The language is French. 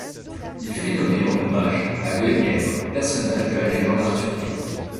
Il fut nommé en hommage à Guenièvre, personnage de la légende arthurienne.